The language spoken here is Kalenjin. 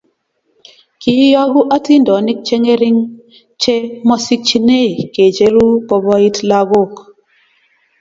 kiiyoku atindonik che ngering che mosingchinei kecheru koboit lakok